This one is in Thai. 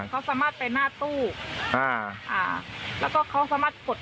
เค้าสามารถไปหน้าตู้แล้วก็เค้าสามารถกด